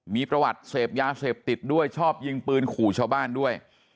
มีประวัติเสพยาเสพติดด้วยชอบยิงปืนขู่ชาวบ้านด้วย